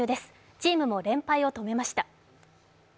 チームも連敗を止めました。